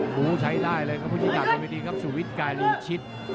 หูใช้ได้เลยครับพูดที่จากความดีดีครับสู่วิทย์กายลีชิต